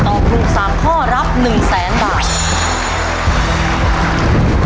ตอบถูก๓ข้อรับ๑๐๐๐๐๐บาท